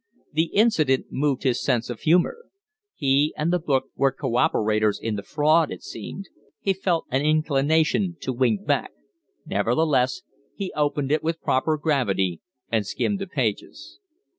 The incident moved his sense of humor. He and the book were cooperators in the fraud, it seemed. He felt an inclination to wink back. Nevertheless, he opened it with proper gravity and skimmed the pages.